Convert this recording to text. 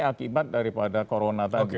akibat daripada corona